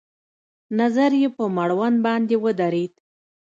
نظر يې په مړوند باندې ودرېد.